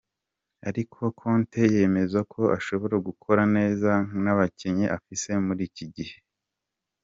Ariko Conte yemeza ko ashobora gukora neza n'abakinyi afise muri kino gihe.